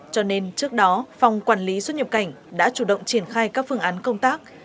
cho nên trước đó phòng quản lý xuất nhập cảnh đã chủ động triển khai các phương án công tác